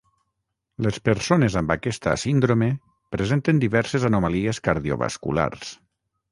Les persones amb aquesta síndrome presenten diverses anomalies cardiovasculars.